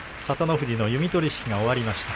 富士の弓取式が終わりました。